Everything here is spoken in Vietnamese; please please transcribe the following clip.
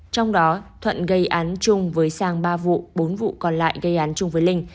trong đó thuận gây án chung với sang ba vụ bốn vụ còn lại gây án chung với linh